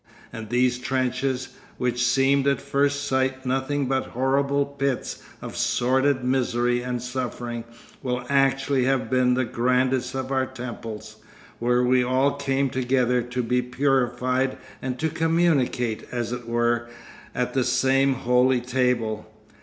And these trenches, which seemed at first sight nothing but horrible pits of sordid misery and suffering, will actually have been the grandest of our temples, where we all came together to be purified and to communicate, as it were, at the same holy table.